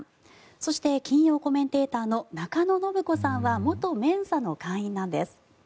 そして、金曜コメンテーターの中野信子さんは元メンサの会員なんです。